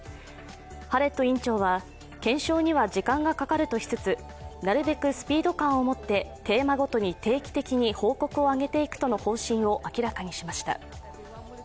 ハレット委員長は検証には時間がかかるとしつつ、なるべくスピード感を持ってテーマごとに定期的に報告を上げていくとの方針を明らかにしました。